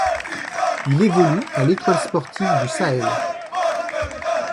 Il évolue à l'Étoile sportive du Sahel.